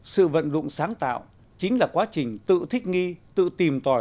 sự vận dụng sáng tạo chính là quá trình tự thích nghi tự tìm tòi